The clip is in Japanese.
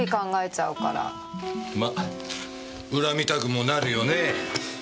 ま恨みたくもなるよね。